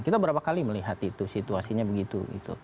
kita berapa kali melihat itu situasinya begitu